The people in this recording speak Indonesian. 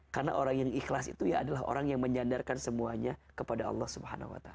karena orang yang ikhlas itu ya adalah orang yang menyandarkan semuanya kepada allah swt